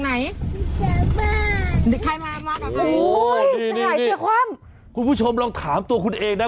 ใครมามาต่อไปอุ้ยที่ไหนเจอความคุณผู้ชมลองถามตัวคุณเองนะ